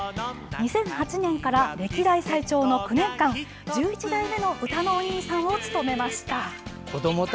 ２００８年から歴代最長の９年間１１代目のうたのおにいさんを務めました。